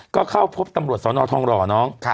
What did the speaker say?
ก็เข้าพบตำรวจสนทองหล่อน้อง